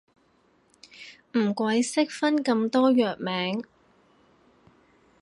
唔鬼識分咁多藥名